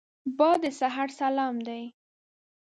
باد د سحر سلام دی